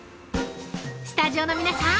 スタジオの皆さん